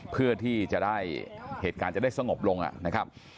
เพื่อที่จะได้เหตุการณ์จะได้สงบลงนะครับ